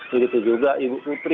jadi itu juga ibu putri